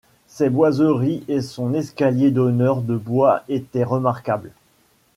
Ses boiseries et son escalier d’honneur de bois étaient remarquables.